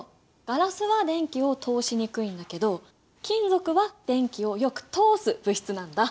ガラスは電気を通しにくいんだけど金属は電気をよく通す物質なんだ。